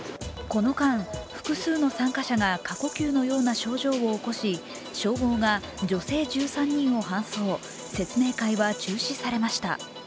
この間、複数の参加者が過呼吸のような症状を起こし消防が女性１３人を搬送、説明会は中止されました。